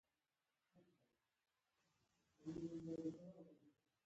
د شیطان غوږونه دي کاڼه وي او زه ژغورم.